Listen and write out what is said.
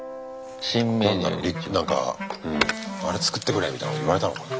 何だろうなんかあれ作ってくれみたいなこと言われたのかな。